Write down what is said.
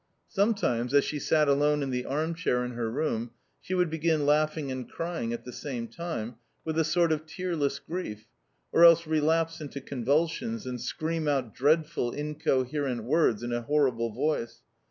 Sometimes, as she sat alone in the arm chair in her room, she would begin laughing and crying at the same time, with a sort of tearless grief, or else relapse into convulsions, and scream out dreadful, incoherent words in a horrible voice.